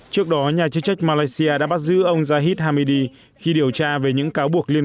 trước đó nhà chức trách malaysia đã bắt giữ ông jahid hamidi khi điều tra về những cáo buộc liên